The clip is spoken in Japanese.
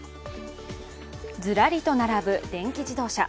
ずらりと並ぶ電気自動車。